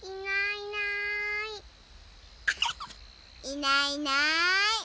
いないいない。